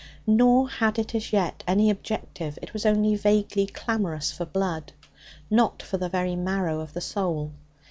Nor had it as yet any objective; it was only vaguely clamorous for blood, not for the very marrow of the soul.